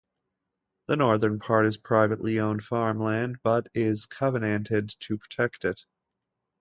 The northern part is privately owned farmland, but is covenanted to protect it.